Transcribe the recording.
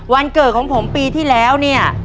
วันเกิดของผมปีที่แล้วเนี่ย